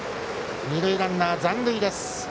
二塁ランナーは残塁です。